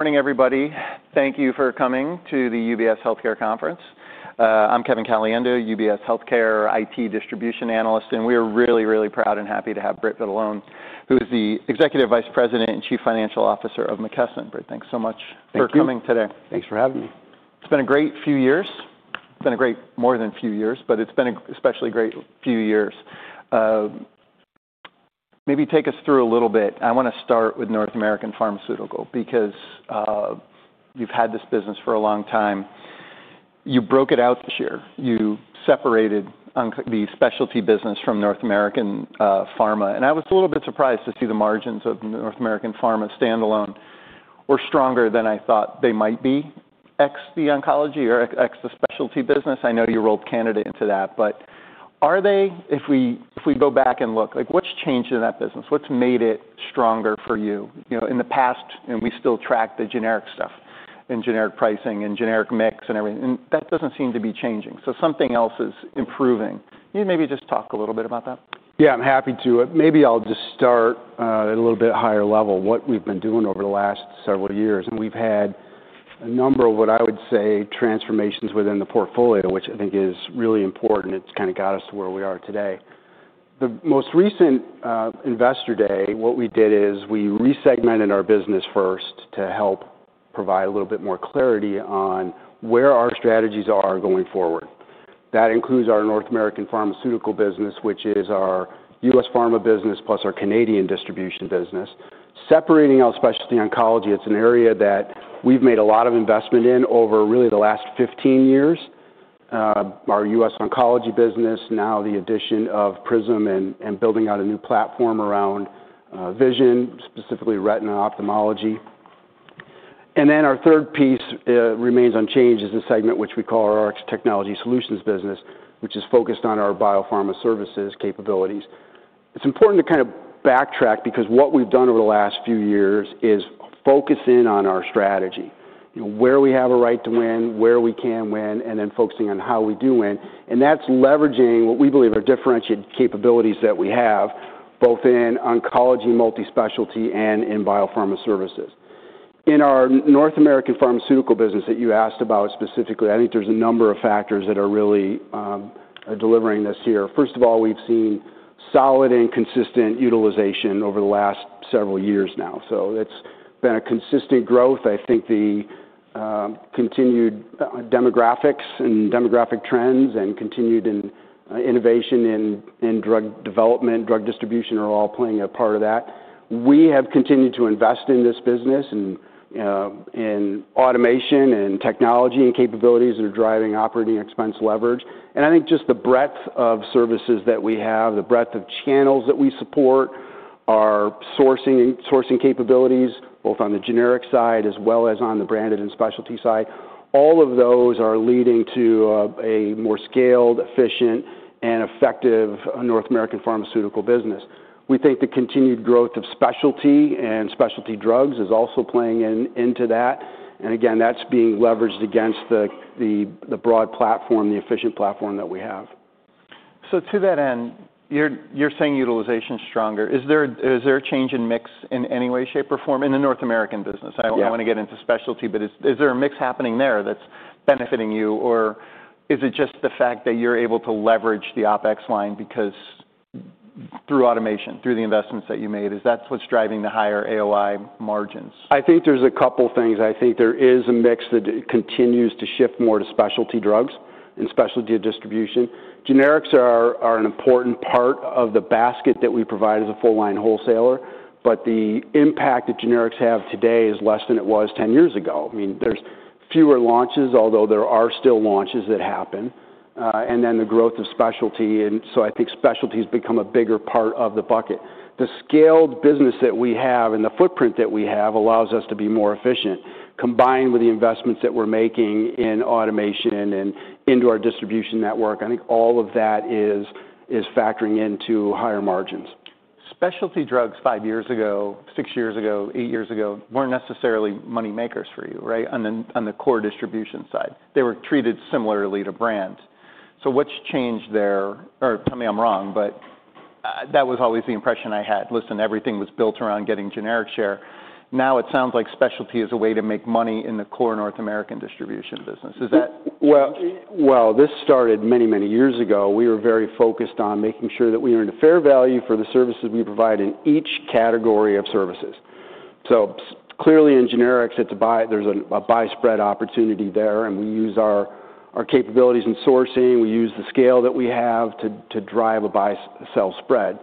Morning, everybody. Thank you for coming to the UBS Healthcare Conference. I'm Kevin Caliendo, UBS Healthcare IT Distribution Analyst, and we are really, really proud and happy to have Britt Vitalone, who is the Executive Vice President and Chief Financial Officer of McKesson Corporation. Britt, thanks so much for coming today. Thanks for having me. It's been a great few years. It's been a great, more than a few years, but it's been an especially great few years. Maybe take us through a little bit. I want to start with North American Pharmaceutical because you've had this business for a long time. You broke it out this year. You separated the specialty business from North American Pharma, and I was a little bit surprised to see the margins of North American Pharma standalone were stronger than I thought they might be ex the oncology or ex the specialty business. I know you rolled Canada into that, but are they, if we go back and look, what's changed in that business? What's made it stronger for you? In the past, we still track the generic stuff and generic pricing and generic mix and everything, and that doesn't seem to be changing. So something else is improving. You maybe just talk a little bit about that. Yeah, I'm happy to. Maybe I'll just start at a little bit higher level. What we've been doing over the last several years, and we've had a number of what I would say transformations within the portfolio, which I think is really important. It's kind of got us to where we are today. The most recent Investor Day, what we did is we resegmented our business first to help provide a little bit more clarity on where our strategies are going forward. That includes our North American Pharmaceutical business, which is our US Pharma business, plus our Canadian distribution business. Separating out specialty oncology, it's an area that we've made a lot of investment in over really the last 15 years. Our US oncology business, now the addition of Prism and building out a new platform around vision, specifically retina ophthalmology. Our third piece remains unchanged. It is the segment which we call our Arc Technology Solutions business, which is focused on our biopharma services capabilities. It is important to kind of backtrack because what we have done over the last few years is focus in on our strategy, where we have a right to win, where we can win, and then focusing on how we do win. That is leveraging what we believe are differentiated capabilities that we have, both in oncology, multispecialty, and in biopharma services. In our North American Pharmaceutical business that you asked about specifically, I think there are a number of factors that are really delivering this here. First of all, we have seen solid and consistent utilization over the last several years now. It has been a consistent growth. I think the continued demographics and demographic trends and continued innovation in drug development, drug distribution are all playing a part of that. We have continued to invest in this business and in automation and technology and capabilities that are driving operating expense leverage. I think just the breadth of services that we have, the breadth of channels that we support, our sourcing capabilities, both on the generic side as well as on the branded and specialty side, all of those are leading to a more scaled, efficient, and effective North American Pharmaceutical business. We think the continued growth of specialty and specialty drugs is also playing into that. Again, that's being leveraged against the broad platform, the efficient platform that we have. To that end, you're saying utilization is stronger. Is there a change in mix in any way, shape, or form in the North American business? I don't want to get into specialty, but is there a mix happening there that's benefiting you, or is it just the fact that you're able to leverage the OPEX line through automation, through the investments that you made? Is that what's driving the higher AOI margins? I think there's a couple of things. I think there is a mix that continues to shift more to specialty drugs and specialty distribution. Generics are an important part of the basket that we provide as a full-line wholesaler, but the impact that generics have today is less than it was 10 years ago. I mean, there's fewer launches, although there are still launches that happen, and then the growth of specialty. I think specialty has become a bigger part of the bucket. The scaled business that we have and the footprint that we have allows us to be more efficient, combined with the investments that we're making in automation and into our distribution network. I think all of that is factoring into higher margins. Specialty drugs five years ago, six years ago, eight years ago weren't necessarily moneymakers for you, right, on the core distribution side. They were treated similarly to brand. What's changed there? Or tell me I'm wrong, but that was always the impression I had. Listen, everything was built around getting generic share. Now it sounds like specialty is a way to make money in the core North American distribution business. Is that? This started many, many years ago. We were very focused on making sure that we earned a fair value for the services we provide in each category of services. Clearly in generics, there is a buy spread opportunity there, and we use our capabilities in sourcing. We use the scale that we have to drive a buy sell spread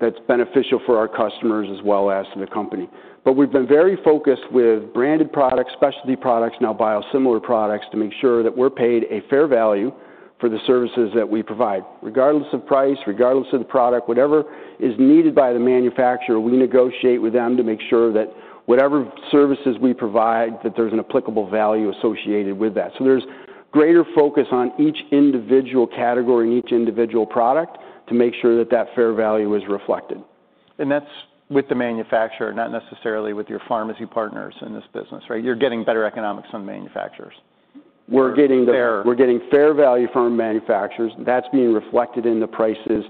that is beneficial for our customers as well as to the company. We have been very focused with branded products, specialty products, now biosimilar products to make sure that we are paid a fair value for the services that we provide. Regardless of price, regardless of the product, whatever is needed by the manufacturer, we negotiate with them to make sure that whatever services we provide, there is an applicable value associated with that. There's greater focus on each individual category and each individual product to make sure that that fair value is reflected. That's with the manufacturer, not necessarily with your pharmacy partners in this business, right? You're getting better economics on the manufacturers. We're getting fair value from manufacturers. That's being reflected in the prices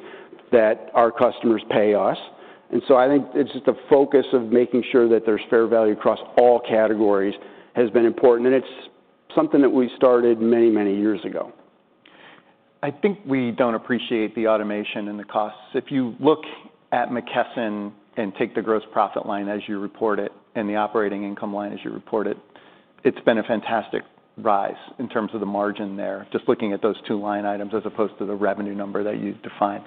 that our customers pay us. I think it's just the focus of making sure that there's fair value across all categories has been important, and it's something that we started many, many years ago. I think we don't appreciate the automation and the costs. If you look at McKesson and take the gross profit line as you report it and the operating income line as you report it, it's been a fantastic rise in terms of the margin there, just looking at those two line items as opposed to the revenue number that you defined.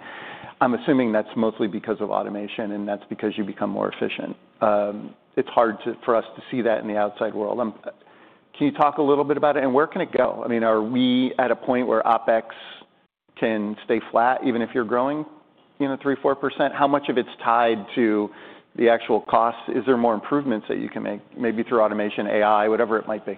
I'm assuming that's mostly because of automation, and that's because you become more efficient. It's hard for us to see that in the outside world. Can you talk a little bit about it, and where can it go? I mean, are we at a point where OPEX can stay flat even if you're growing 3%-4%? How much of it's tied to the actual costs? Is there more improvements that you can make maybe through automation, AI, whatever it might be?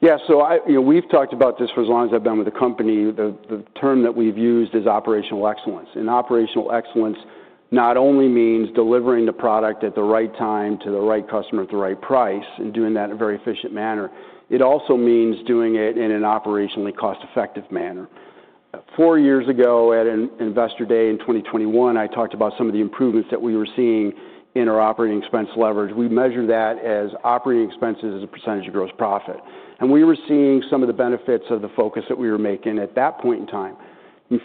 Yeah, so we've talked about this for as long as I've been with the company. The term that we've used is operational excellence. Operational excellence not only means delivering the product at the right time to the right customer at the right price and doing that in a very efficient manner. It also means doing it in an operationally cost-effective manner. Four years ago at Investor Day in 2021, I talked about some of the improvements that we were seeing in our operating expense leverage. We measured that as operating expenses as a percentage of gross profit. We were seeing some of the benefits of the focus that we were making at that point in time.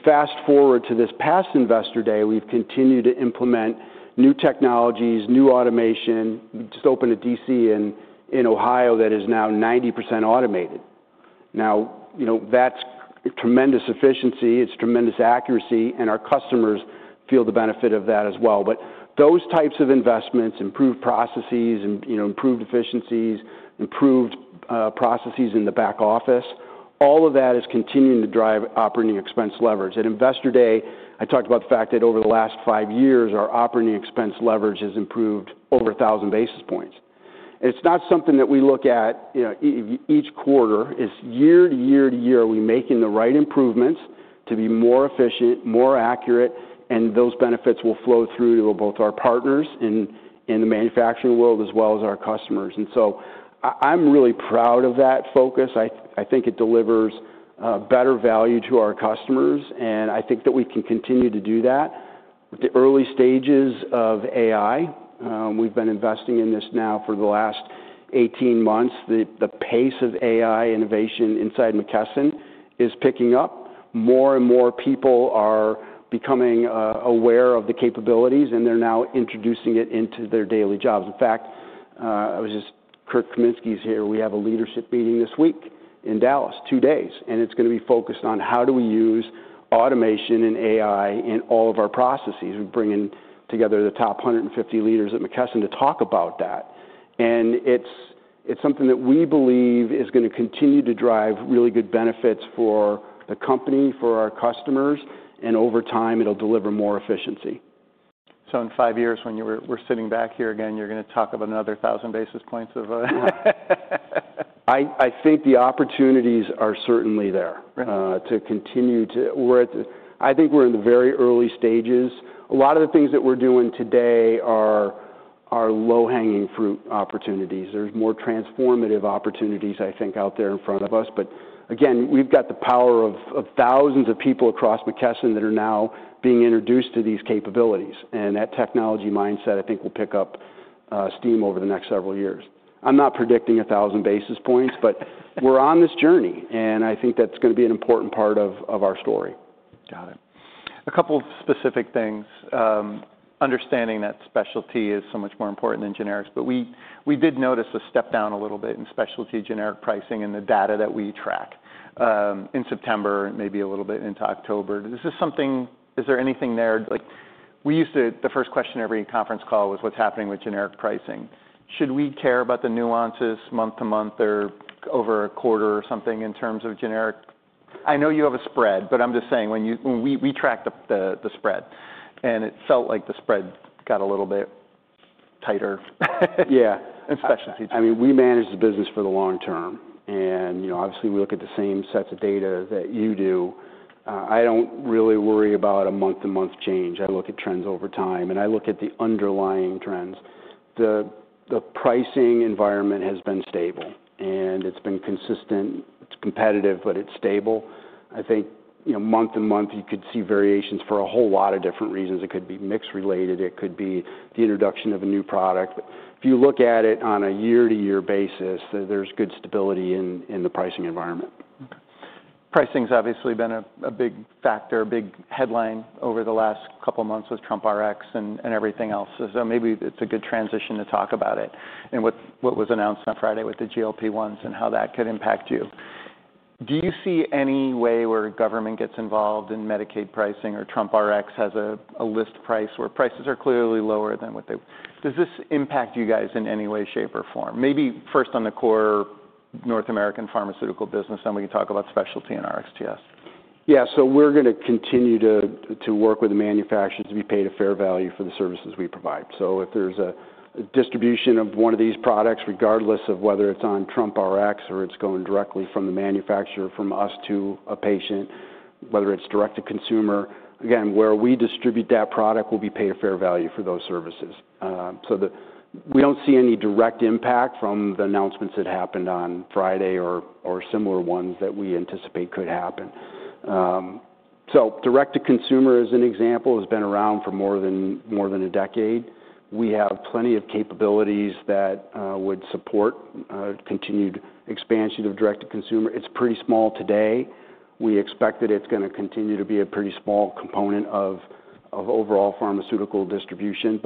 Fast forward to this past Investor Day, we've continued to implement new technologies, new automation. We just opened a DC in Ohio that is now 90% automated. Now, that's tremendous efficiency. It's tremendous accuracy, and our customers feel the benefit of that as well. Those types of investments, improved processes, improved efficiencies, improved processes in the back office, all of that is continuing to drive operating expense leverage. At Investor Day, I talked about the fact that over the last five years, our operating expense leverage has improved over 1,000 basis points. It's not something that we look at each quarter. It's year to year to year. Are we making the right improvements to be more efficient, more accurate? Those benefits will flow through to both our partners in the manufacturing world as well as our customers. I'm really proud of that focus. I think it delivers better value to our customers, and I think that we can continue to do that. The early stages of AI, we've been investing in this now for the last 18 months. The pace of AI innovation inside McKesson is picking up. More and more people are becoming aware of the capabilities, and they're now introducing it into their daily jobs. In fact, I was just, Kirk Kaminsky's here. We have a leadership meeting this week in Dallas, two days, and it's going to be focused on how do we use automation and AI in all of our processes. We're bringing together the top 150 leaders at McKesson to talk about that. It is something that we believe is going to continue to drive really good benefits for the company, for our customers, and over time, it'll deliver more efficiency. In five years, when we're sitting back here again, you're going to talk about another 1,000 basis points of. I think the opportunities are certainly there to continue to. I think we're in the very early stages. A lot of the things that we're doing today are low-hanging fruit opportunities. There's more transformative opportunities, I think, out there in front of us. Again, we've got the power of thousands of people across McKesson that are now being introduced to these capabilities. That technology mindset, I think, will pick up steam over the next several years. I'm not predicting 1,000 basis points, but we're on this journey, and I think that's going to be an important part of our story. Got it. A couple of specific things. Understanding that specialty is so much more important than generics, but we did notice a step down a little bit in specialty generic pricing in the data that we track in September, maybe a little bit into October. Is there anything there? The first question every conference call was, what's happening with generic pricing? Should we care about the nuances month to month or over a quarter or something in terms of generic? I know you have a spread, but I'm just saying we track the spread, and it felt like the spread got a little bit tighter. Yeah, and specialty change. I mean, we manage the business for the long term, and obviously, we look at the same sets of data that you do. I do not really worry about a month-to-month change. I look at trends over time, and I look at the underlying trends. The pricing environment has been stable, and it has been consistent. It is competitive, but it is stable. I think month-to-month, you could see variations for a whole lot of different reasons. It could be mix-related. It could be the introduction of a new product. If you look at it on a year-to-year basis, there is good stability in the pricing environment. Pricing's obviously been a big factor, a big headline over the last couple of months with Trump RX and everything else. Maybe it's a good transition to talk about it and what was announced on Friday with the GLP-1s and how that could impact you. Do you see any way where government gets involved in Medicaid pricing or Trump RX has a list price where prices are clearly lower than what they? Does this impact you guys in any way, shape, or form? Maybe first on the core North American pharmaceutical business, then we can talk about specialty and RXTS. Yeah, so we're going to continue to work with the manufacturers to be paid a fair value for the services we provide. If there's a distribution of one of these products, regardless of whether it's on Trump RX or it's going directly from the manufacturer from us to a patient, whether it's direct-to-consumer, again, where we distribute that product, we'll be paid a fair value for those services. We don't see any direct impact from the announcements that happened on Friday or similar ones that we anticipate could happen. Direct-to-consumer, as an example, has been around for more than a decade. We have plenty of capabilities that would support continued expansion of direct-to-consumer. It's pretty small today. We expect that it's going to continue to be a pretty small component of overall pharmaceutical distribution.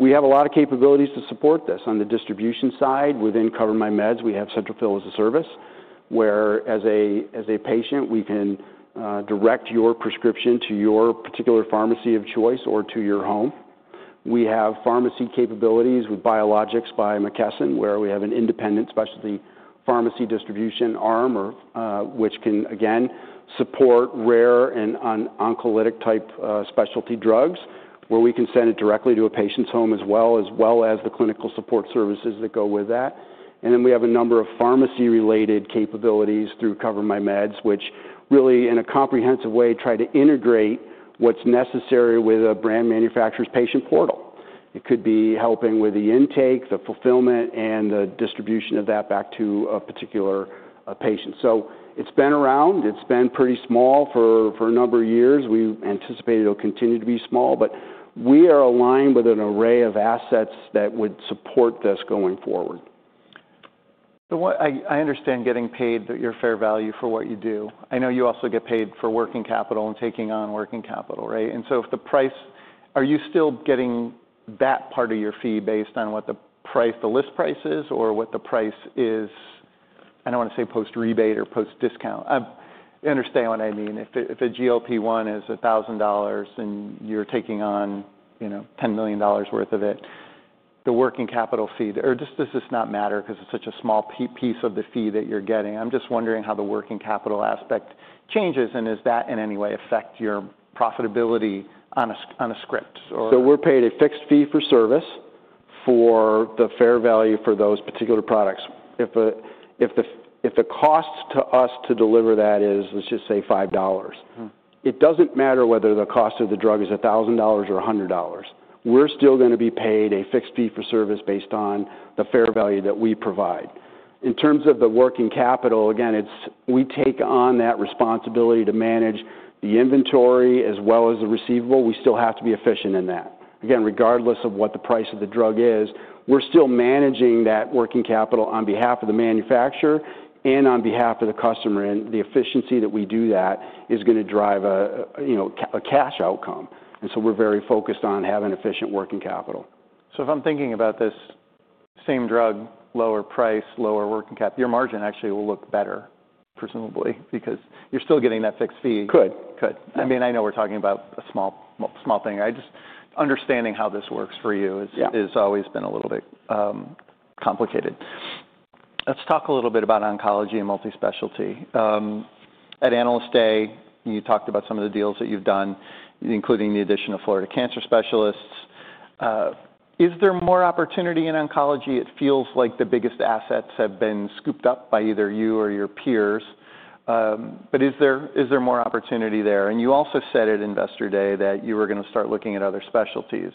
We have a lot of capabilities to support this. On the distribution side, within CoverMyMeds, we have Central Phil as a Service, where as a patient, we can direct your prescription to your particular pharmacy of choice or to your home. We have pharmacy capabilities with Biologics by McKesson, where we have an independent specialty pharmacy distribution arm, which can, again, support rare and oncolytic-type specialty drugs, where we can send it directly to a patient's home as well, as well as the clinical support services that go with that. We have a number of pharmacy-related capabilities through CoverMyMeds, which really, in a comprehensive way, try to integrate what's necessary with a brand manufacturer's patient portal. It could be helping with the intake, the fulfillment, and the distribution of that back to a particular patient. It's been around. It's been pretty small for a number of years. We anticipate it'll continue to be small, but we are aligned with an array of assets that would support this going forward. I understand getting paid your fair value for what you do. I know you also get paid for working capital and taking on working capital, right? If the price, are you still getting that part of your fee based on what the list price is or what the price is? I do not want to say post-rebate or post-discount. I understand what I mean. If a GLP-1 is $1,000 and you are taking on $10 million worth of it, the working capital fee, or does this not matter because it is such a small piece of the fee that you are getting? I am just wondering how the working capital aspect changes, and does that in any way affect your profitability on a script? We're paid a fixed fee for service for the fair value for those particular products. If the cost to us to deliver that is, let's just say $5, it doesn't matter whether the cost of the drug is $1,000 or $100. We're still going to be paid a fixed fee for service based on the fair value that we provide. In terms of the working capital, again, we take on that responsibility to manage the inventory as well as the receivable. We still have to be efficient in that. Again, regardless of what the price of the drug is, we're still managing that working capital on behalf of the manufacturer and on behalf of the customer. The efficiency that we do that is going to drive a cash outcome. We're very focused on having efficient working capital. If I'm thinking about this same drug, lower price, lower working capital, your margin actually will look better, presumably, because you're still getting that fixed fee. Could, could. I mean, I know we're talking about a small thing. Understanding how this works for you has always been a little bit complicated. Let's talk a little bit about oncology and multispecialty. At Analyst Day, you talked about some of the deals that you've done, including the addition of Florida Cancer Specialists. Is there more opportunity in oncology? It feels like the biggest assets have been scooped up by either you or your peers, but is there more opportunity there? You also said at Investor Day that you were going to start looking at other specialties.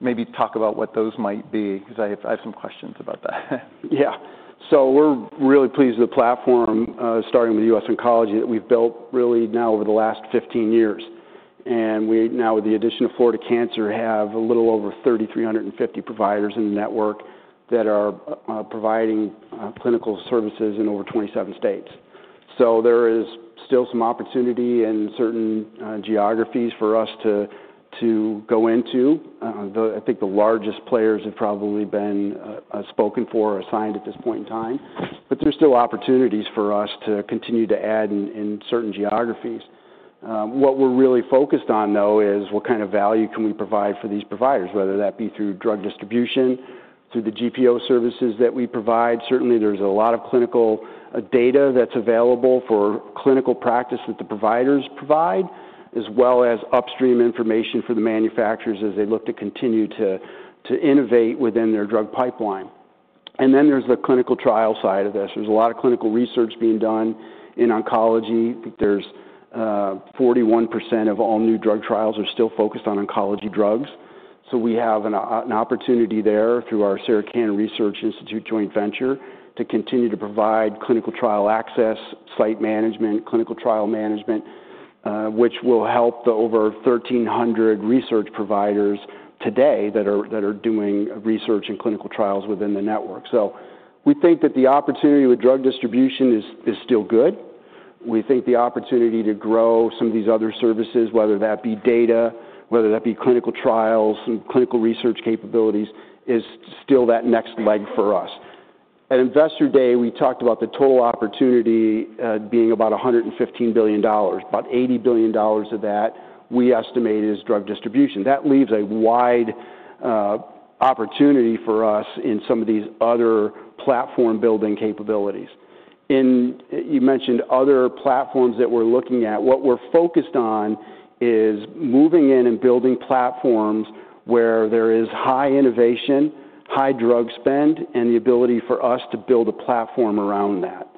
Maybe talk about what those might be because I have some questions about that. Yeah. So we're really pleased with the platform, starting with US Oncology, that we've built really now over the last 15 years. We now, with the addition of Florida Cancer, have a little over 3,350 providers in the network that are providing clinical services in over 27 states. There is still some opportunity in certain geographies for us to go into. I think the largest players have probably been spoken for or assigned at this point in time, but there's still opportunities for us to continue to add in certain geographies. What we're really focused on, though, is what kind of value can we provide for these providers, whether that be through drug distribution, through the GPO services that we provide. Certainly, there's a lot of clinical data that's available for clinical practice that the providers provide, as well as upstream information for the manufacturers as they look to continue to innovate within their drug pipeline. There is the clinical trial side of this. There's a lot of clinical research being done in oncology. I think there's 41% of all new drug trials are still focused on oncology drugs. We have an opportunity there through our Sarah Cannon Research Institute joint venture to continue to provide clinical trial access, site management, clinical trial management, which will help the over 1,300 research providers today that are doing research and clinical trials within the network. We think that the opportunity with drug distribution is still good. We think the opportunity to grow some of these other services, whether that be data, whether that be clinical trials, some clinical research capabilities, is still that next leg for us. At Investor Day, we talked about the total opportunity being about $115 billion. About $80 billion of that, we estimate, is drug distribution. That leaves a wide opportunity for us in some of these other platform-building capabilities. You mentioned other platforms that we're looking at. What we're focused on is moving in and building platforms where there is high innovation, high drug spend, and the ability for us to build a platform around that.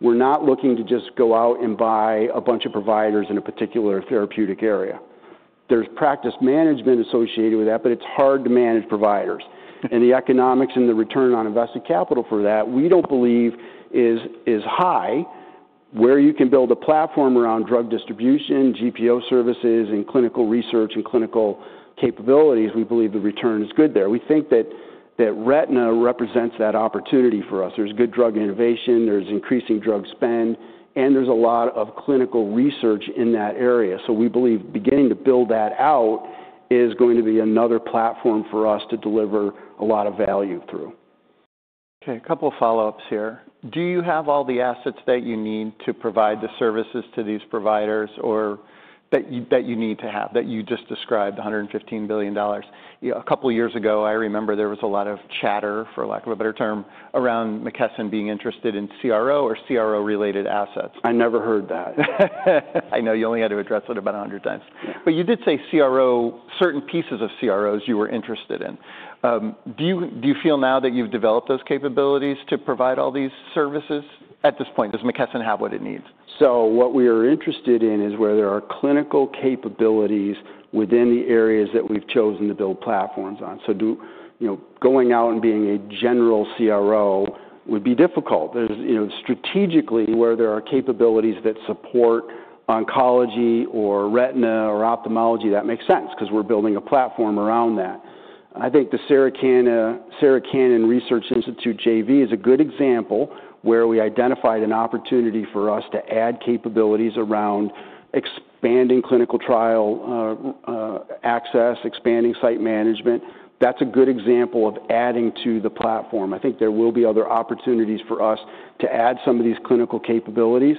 We're not looking to just go out and buy a bunch of providers in a particular therapeutic area. There's practice management associated with that, but it's hard to manage providers. The economics and the return on invested capital for that, we do not believe, is high. Where you can build a platform around drug distribution, GPO services, and clinical research and clinical capabilities, we believe the return is good there. We think that Retina represents that opportunity for us. There is good drug innovation. There is increasing drug spend, and there is a lot of clinical research in that area. We believe beginning to build that out is going to be another platform for us to deliver a lot of value through. Okay. A couple of follow-ups here. Do you have all the assets that you need to provide the services to these providers that you need to have, that you just described, $115 billion? A couple of years ago, I remember there was a lot of chatter, for lack of a better term, around McKesson being interested in CRO or CRO-related assets. I never heard that. I know you only had to address it about 100 times. You did say certain pieces of CROs you were interested in. Do you feel now that you've developed those capabilities to provide all these services? At this point, does McKesson have what it needs? What we are interested in is where there are clinical capabilities within the areas that we've chosen to build platforms on. Going out and being a general CRO would be difficult. Strategically, where there are capabilities that support oncology or Retina or ophthalmology, that makes sense because we're building a platform around that. I think the Sarah Cannon Research Institute J.V. is a good example where we identified an opportunity for us to add capabilities around expanding clinical trial access, expanding site management. That's a good example of adding to the platform. I think there will be other opportunities for us to add some of these clinical capabilities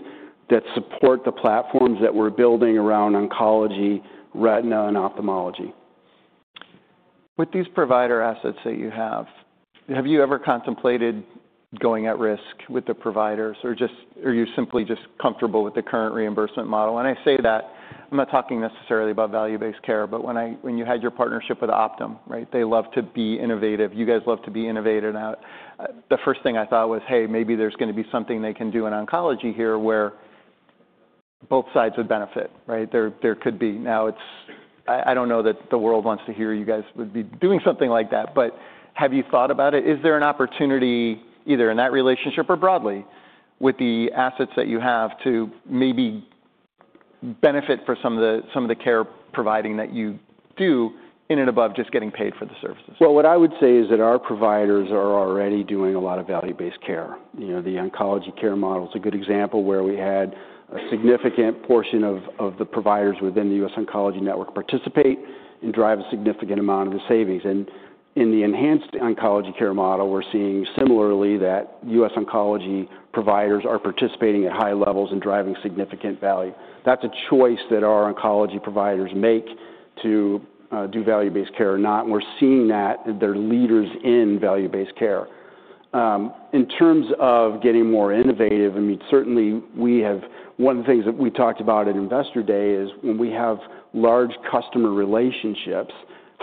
that support the platforms that we're building around oncology, Retina, and ophthalmology. With these provider assets that you have, have you ever contemplated going at risk with the providers, or are you simply just comfortable with the current reimbursement model? I say that, I'm not talking necessarily about value-based care, but when you had your partnership with Optum, right? They love to be innovative. You guys love to be innovative. The first thing I thought was, "Hey, maybe there's going to be something they can do in oncology here where both sides would benefit," right? There could be. Now, I don't know that the world wants to hear you guys would be doing something like that, but have you thought about it? Is there an opportunity either in that relationship or broadly with the assets that you have to maybe benefit for some of the care providing that you do in and above just getting paid for the services? Our providers are already doing a lot of value-based care. The oncology care model is a good example where we had a significant portion of the providers within the US Oncology Network participate and drive a significant amount of the savings. In the enhanced oncology care model, we're seeing similarly that US Oncology providers are participating at high levels and driving significant value. That's a choice that our oncology providers make to do value-based care or not. We're seeing that they're leaders in value-based care. In terms of getting more innovative, I mean, certainly we have one of the things that we talked about at Investor Day is when we have large customer relationships,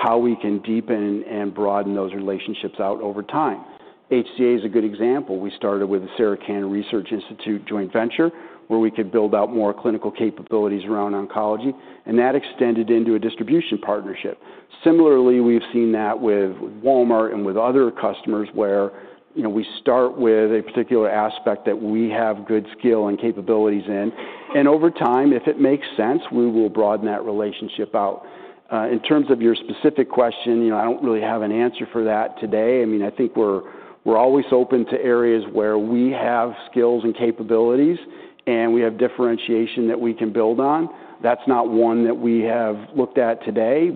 how we can deepen and broaden those relationships out over time. HCA is a good example. We started with the Sarah Cannon Research Institute joint venture, where we could build out more clinical capabilities around oncology, and that extended into a distribution partnership. Similarly, we've seen that with Walmart and with other customers where we start with a particular aspect that we have good skill and capabilities in. Over time, if it makes sense, we will broaden that relationship out. In terms of your specific question, I don't really have an answer for that today. I mean, I think we're always open to areas where we have skills and capabilities, and we have differentiation that we can build on. That's not one that we have looked at today.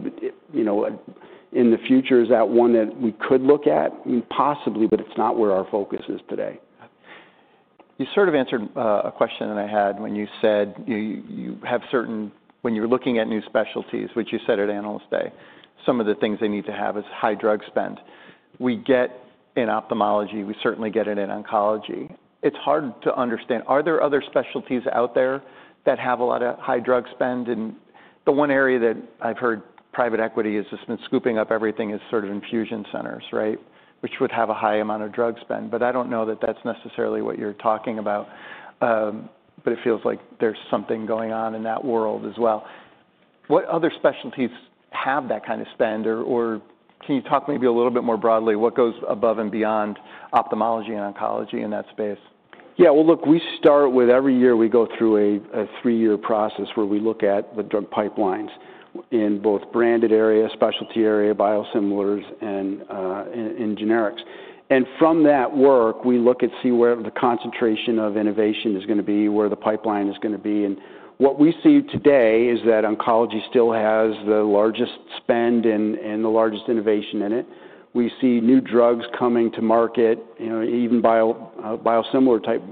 In the future, is that one that we could look at? I mean, possibly, but it's not where our focus is today. You sort of answered a question that I had when you said you have certain, when you're looking at new specialties, which you said at Analyst Day, some of the things they need to have is high drug spend. We get it in ophthalmology, we certainly get it in oncology. It's hard to understand. Are there other specialties out there that have a lot of high drug spend? The one area that I've heard private equity has been scooping up everything is sort of infusion centers, right, which would have a high amount of drug spend. I don't know that that's necessarily what you're talking about, but it feels like there's something going on in that world as well. What other specialties have that kind of spend, or can you talk maybe a little bit more broadly? What goes above and beyond ophthalmology and oncology in that space? Yeah. Look, we start with every year we go through a three-year process where we look at the drug pipelines in both branded area, specialty area, biosimilars, and generics. From that work, we look to see where the concentration of innovation is going to be, where the pipeline is going to be. What we see today is that oncology still has the largest spend and the largest innovation in it. We see new drugs coming to market, even biosimilar-type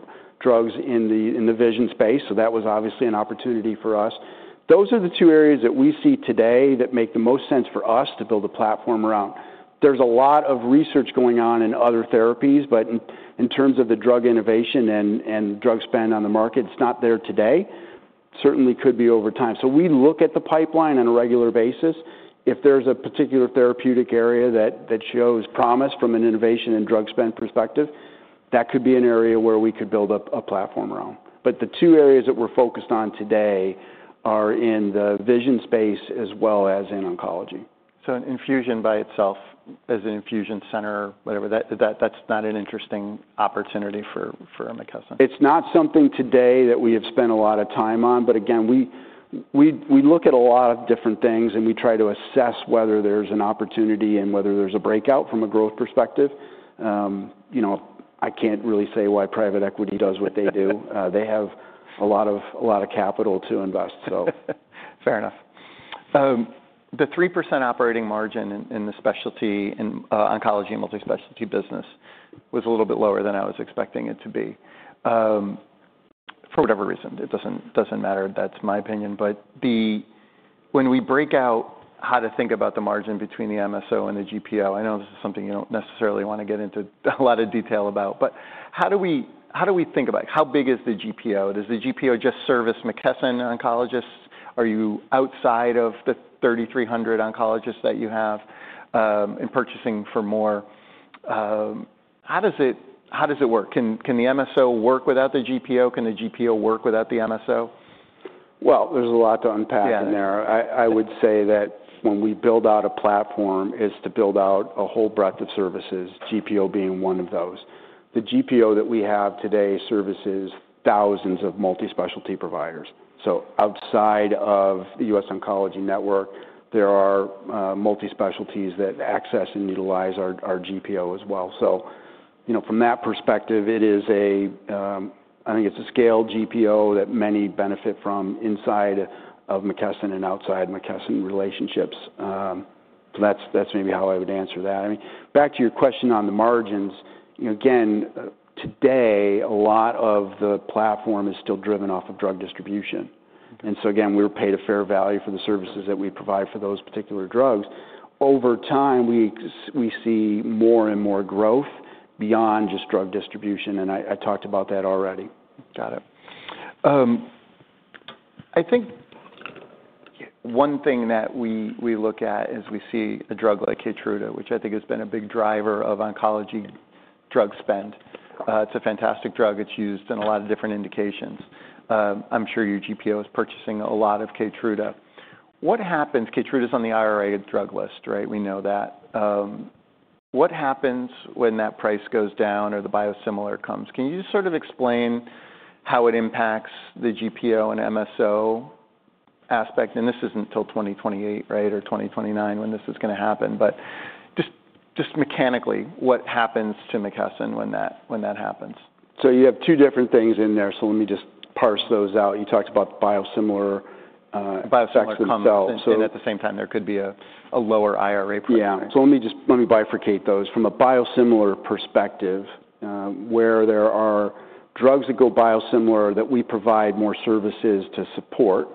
drugs in the vision space. That was obviously an opportunity for us. Those are the two areas that we see today that make the most sense for us to build a platform around. There is a lot of research going on in other therapies, but in terms of the drug innovation and drug spend on the market, it is not there today. Certainly could be over time. We look at the pipeline on a regular basis. If there's a particular therapeutic area that shows promise from an innovation and drug spend perspective, that could be an area where we could build up a platform around. The two areas that we're focused on today are in the vision space as well as in oncology. Infusion by itself as an infusion center, whatever, that's not an interesting opportunity for McKesson? It's not something today that we have spent a lot of time on. Again, we look at a lot of different things, and we try to assess whether there's an opportunity and whether there's a breakout from a growth perspective. I can't really say why private equity does what they do. They have a lot of capital to invest, so. Fair enough. The 3% operating margin in the specialty in oncology and multispecialty business was a little bit lower than I was expecting it to be. For whatever reason, it doesn't matter. That's my opinion. When we break out how to think about the margin between the MSO and the GPO, I know this is something you don't necessarily want to get into a lot of detail about, but how do we think about it? How big is the GPO? Does the GPO just service McKesson oncologists? Are you outside of the 3,300 oncologists that you have and purchasing for more? How does it work? Can the MSO work without the GPO? Can the GPO work without the MSO? There is a lot to unpack in there. I would say that when we build out a platform, it is to build out a whole breadth of services, GPO being one of those. The GPO that we have today services thousands of multispecialty providers. Outside of the US Oncology Network, there are multispecialties that access and utilize our GPO as well. From that perspective, I think it is a scaled GPO that many benefit from inside of McKesson and outside McKesson relationships. That is maybe how I would answer that. I mean, back to your question on the margins, again, today, a lot of the platform is still driven off of drug distribution. Again, we are paid a fair value for the services that we provide for those particular drugs. Over time, we see more and more growth beyond just drug distribution, and I talked about that already. Got it. I think one thing that we look at as we see a drug like Keytruda, which I think has been a big driver of oncology drug spend, it's a fantastic drug. It's used in a lot of different indications. I'm sure your GPO is purchasing a lot of Keytruda. What happens? Keytruda's on the IRA drug list, right? We know that. What happens when that price goes down or the biosimilar comes? Can you just sort of explain how it impacts the GPO and MSO aspect? This isn't until 2028, right, or 2029 when this is going to happen. Just mechanically, what happens to McKesson when that happens? You have two different things in there, so let me just parse those out. You talked about biosimilar. Biosimilar comes and at the same time, there could be a lower IRA %. Yeah. Let me bifurcate those. From a biosimilar perspective, where there are drugs that go biosimilar that we provide more services to support,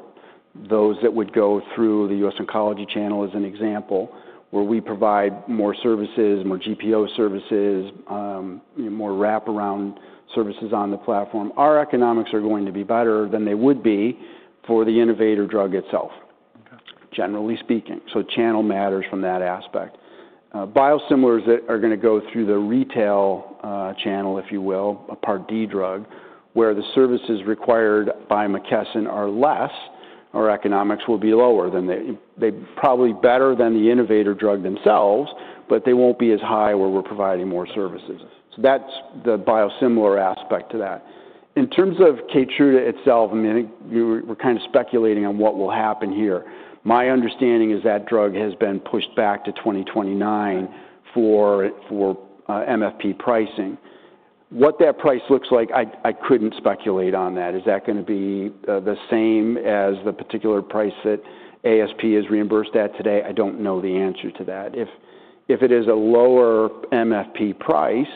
those that would go through the US Oncology channel as an example, where we provide more services, more GPO services, more wraparound services on the platform, our economics are going to be better than they would be for the innovator drug itself, generally speaking. Channel matters from that aspect. Biosimilars that are going to go through the retail channel, if you will, a Part D drug, where the services required by McKesson are less, our economics will be lower. They are probably better than the innovator drug themselves, but they will not be as high where we are providing more services. That is the biosimilar aspect to that. In terms of Keytruda itself, I mean, we are kind of speculating on what will happen here. My understanding is that drug has been pushed back to 2029 for MFP pricing. What that price looks like, I couldn't speculate on that. Is that going to be the same as the particular price that ASP is reimbursed at today? I don't know the answer to that. If it is a lower MFP price,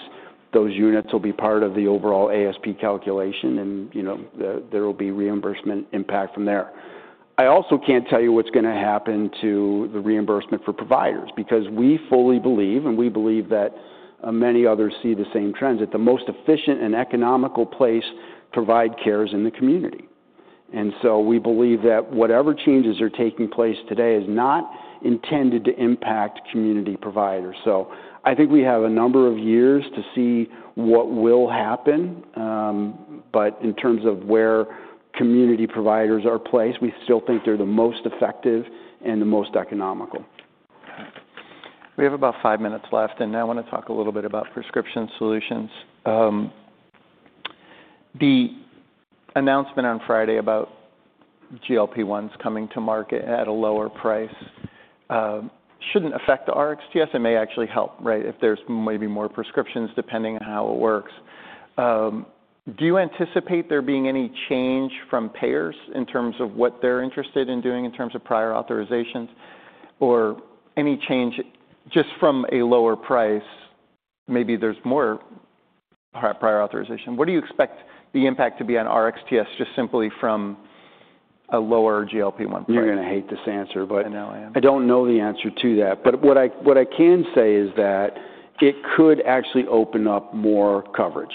those units will be part of the overall ASP calculation, and there will be reimbursement impact from there. I also can't tell you what's going to happen to the reimbursement for providers because we fully believe, and we believe that many others see the same trend, that the most efficient and economical place to provide care is in the community. We believe that whatever changes are taking place today is not intended to impact community providers. I think we have a number of years to see what will happen. In terms of where community providers are placed, we still think they're the most effective and the most economical. We have about five minutes left, and now I want to talk a little bit about prescription solutions. The announcement on Friday about GLP-1s coming to market at a lower price should not affect RxGS. It may actually help, right, if there are maybe more prescriptions depending on how it works. Do you anticipate there being any change from payers in terms of what they are interested in doing in terms of prior authorizations or any change just from a lower price? Maybe there is more prior authorization. What do you expect the impact to be on RxGS just simply from a lower GLP-1 price? You're going to hate this answer, but I don't know the answer to that. What I can say is that it could actually open up more coverage,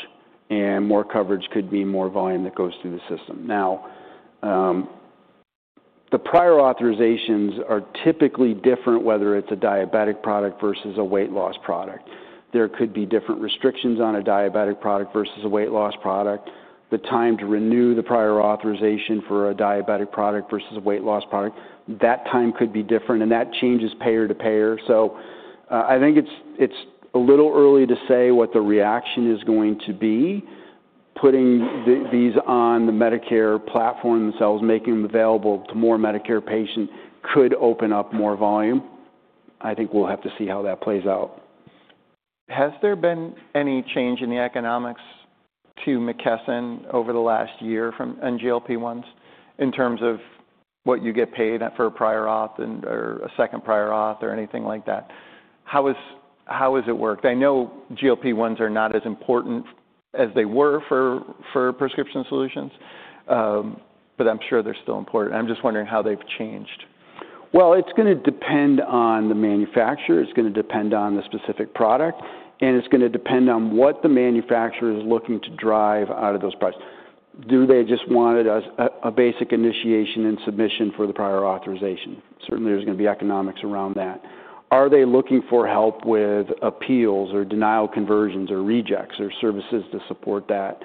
and more coverage could mean more volume that goes through the system. Now, the prior authorizations are typically different, whether it's a diabetic product versus a weight loss product. There could be different restrictions on a diabetic product versus a weight loss product. The time to renew the prior authorization for a diabetic product versus a weight loss product, that time could be different, and that changes payer to payer. I think it's a little early to say what the reaction is going to be. Putting these on the Medicare platform themselves, making them available to more Medicare patients could open up more volume. I think we'll have to see how that plays out. Has there been any change in the economics to McKesson over the last year and GLP-1s in terms of what you get paid for a prior auth or a second prior auth or anything like that? How has it worked? I know GLP-1s are not as important as they were for prescription solutions, but I'm sure they're still important. I'm just wondering how they've changed. It's going to depend on the manufacturer. It's going to depend on the specific product, and it's going to depend on what the manufacturer is looking to drive out of those products. Do they just want a basic initiation and submission for the prior authorization? Certainly, there's going to be economics around that. Are they looking for help with appeals or denial conversions or rejects or services to support that?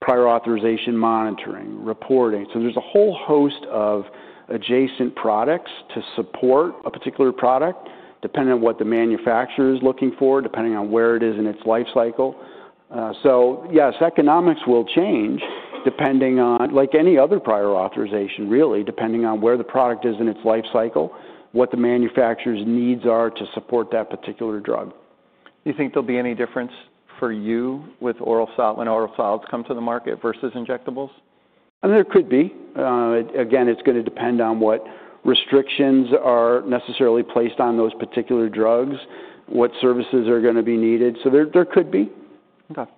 Prior authorization monitoring, reporting. There's a whole host of adjacent products to support a particular product depending on what the manufacturer is looking for, depending on where it is in its lifecycle. Yes, economics will change depending on, like any other prior authorization, really, depending on where the product is in its lifecycle, what the manufacturer's needs are to support that particular drug. Do you think there'll be any difference for you when oral solids come to the market versus injectables? There could be. Again, it's going to depend on what restrictions are necessarily placed on those particular drugs, what services are going to be needed. There could be. Okay.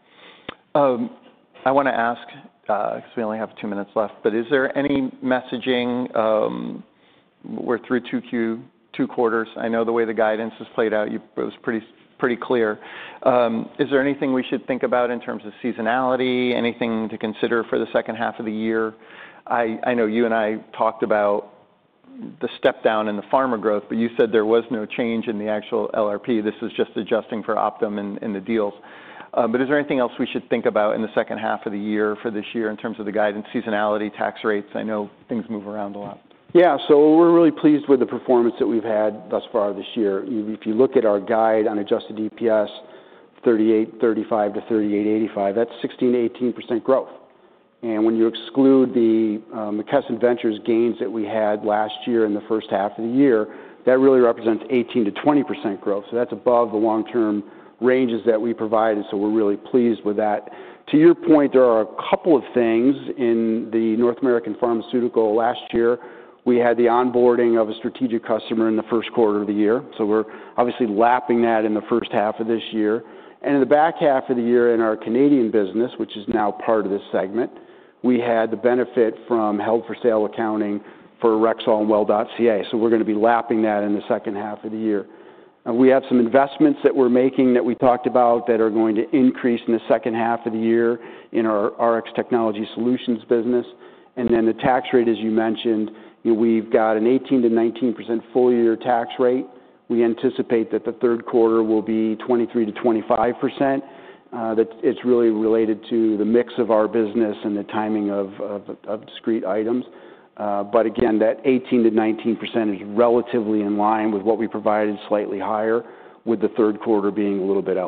I want to ask, because we only have two minutes left, but is there any messaging? We're through two quarters. I know the way the guidance has played out, it was pretty clear. Is there anything we should think about in terms of seasonality, anything to consider for the second half of the year? I know you and I talked about the step down in the pharma growth, but you said there was no change in the actual LRP. This was just adjusting for Optum and the deals. Is there anything else we should think about in the second half of the year for this year in terms of the guidance, seasonality, tax rates? I know things move around a lot. Yeah. So we're really pleased with the performance that we've had thus far this year. If you look at our guide on adjusted EPS, $38.35-$38.85, that's 16%-18% growth. And when you exclude the McKesson Ventures gains that we had last year in the first half of the year, that really represents 18%-20% growth. That's above the long-term ranges that we provided. We're really pleased with that. To your point, there are a couple of things. In the North American pharmaceutical last year, we had the onboarding of a strategic customer in the first quarter of the year. We're obviously lapping that in the first half of this year. In the back half of the year in our Canadian business, which is now part of this segment, we had the benefit from held-for-sale accounting for Rexall and Well.ca. We're going to be lapping that in the second half of the year. We have some investments that we're making that we talked about that are going to increase in the second half of the year in our Rx Technology Solutions business. The tax rate, as you mentioned, we've got an 18%-19% full-year tax rate. We anticipate that the third quarter will be 23%-25%. It's really related to the mix of our business and the timing of discrete items. Again, that 18%-19% is relatively in line with what we provided, slightly higher, with the third quarter being a little bit.